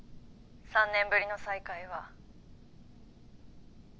３年ぶりの再会は。